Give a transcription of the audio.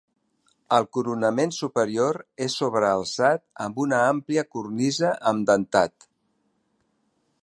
El coronament superior és sobrealçat, amb una àmplia cornisa amb dentat.